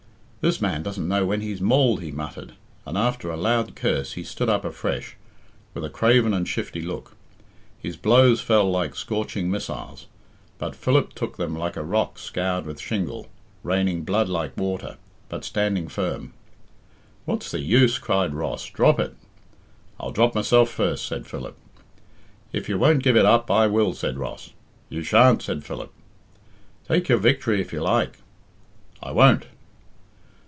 "This man doesn't know when he's mauled," he muttered, and after a loud curse he stood up afresh, with a craven and shifty look. His blows fell like scorching missiles, but Philip took them like a rock scoured with shingle, raining blood like water, but standing firm. "What's the use?" cried Ross; "drop it." "I'll drop myself first," said Philip. "If you won't give it up, I will," said Ross. "You shan't," said Philip. "Take your victory if you like." "I won't."